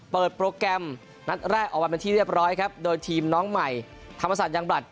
โปรแกรมนัดแรกออกมาเป็นที่เรียบร้อยครับโดยทีมน้องใหม่ธรรมศาสตร์ยังบรัฐ